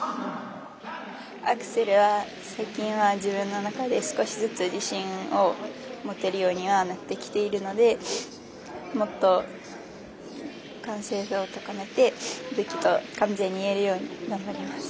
アクセルは最近は自分の中で少しずつ自信を持てるようにはなってきているのでもっと、完成度を高めていけるように頑張ります。